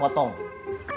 dan senang juga